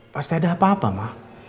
pasti ada apa apa mah